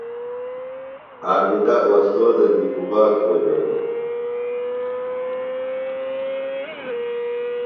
عابدہ استوذہ دی گُبا کھوجولوۡ؟